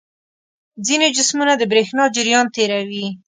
ځینې جسمونه د برېښنا جریان تیروي.